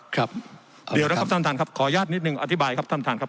ครับเดี๋ยวนะครับท่านท่านครับขออนุญาตนิดนึงอธิบายครับท่านท่านครับ